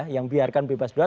yang biarkan bebas doa